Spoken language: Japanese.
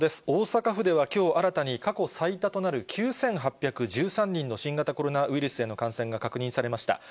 大阪府ではきょう、新たに過去最多となる９８１３人の新型コロナウイルスへの感染が確認されました。